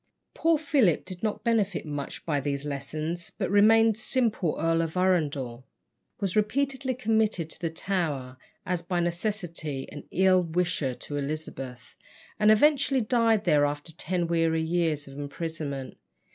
Poor Philip did not benefit much by these lessons, but remained simple Earl of Arundel, was repeatedly committed to the Tower, as by necessity an ill wisher to Elizabeth, and eventually died there after ten weary years of imprisonment.